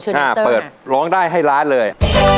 ช่วยนะเซอร์ค่ะเปิดร้องได้ให้ล้านเลย